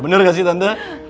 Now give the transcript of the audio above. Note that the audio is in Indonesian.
bener gak sih tante